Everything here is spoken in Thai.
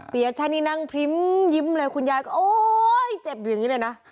ปียชาตินี่นั่งพลิ้มยิ้มเลยคุณญาเกิดเจ็บอย่างนี้เลยนะ